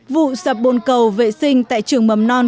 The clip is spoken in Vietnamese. vụ sập bồn cầu vệ sinh tại trường mầm non